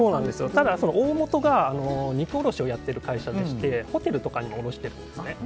ただ、大本が肉卸をやっている会社でしてホテルとかにも卸しているんですね。